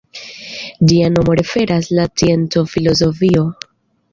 Ĝia nomo referas la scienco filozofio.